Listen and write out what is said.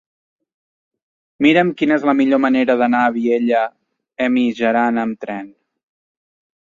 Mira'm quina és la millor manera d'anar a Vielha e Mijaran amb tren.